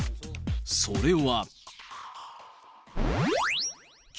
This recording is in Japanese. それは。